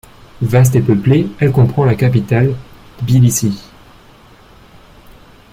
Vaste et peuplée, elle comprend la capitale, Tbilissi.